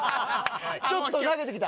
ちょっと投げてきた？